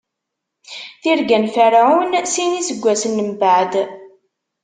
Tirga n Ferɛun Sin n iseggasen mbeɛd.